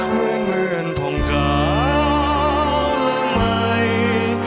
เหมือนเหมือนผ่องกาวละไหม